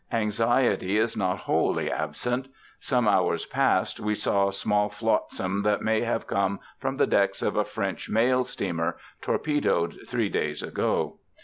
Anxiety is not wholly absent. Some hours past, we saw small flotsam that may have come from the decks of a French mail steamer, torpedoed three days ago.